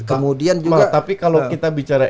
kemudian juga tapi kalau kita bicara